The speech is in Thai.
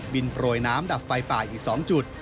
โปรยน้ำดับไฟป่าอีก๒จุด